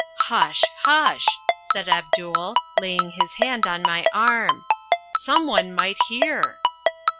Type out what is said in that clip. "Hush, hush," said Abdul, laying his hand on my arm. "Some one might hear."